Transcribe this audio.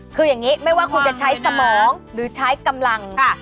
คืออย่างนี้ไม่ว่าคุณจะใช้สมองหรือใช้กำลัง